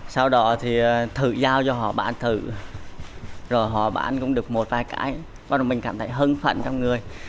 sau đó thì thử giao cho họ bán thử rồi họ bán cũng được một vài cái bắt đầu mình cảm thấy hưng phận trong người